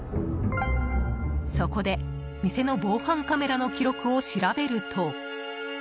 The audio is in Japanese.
そこで、店の防犯カメラの記録を調べると。